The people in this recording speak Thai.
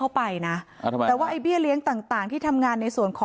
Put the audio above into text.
ด้วยในคดีอายาปลอมแปลงเอกสารด้วย